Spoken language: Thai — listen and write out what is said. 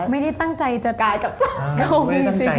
ไม่ได้ตั้งใจจะกายกับสาวเกาหลีจริง